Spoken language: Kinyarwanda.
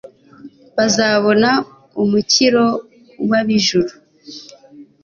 bazabona umukiro w'ab'ijuru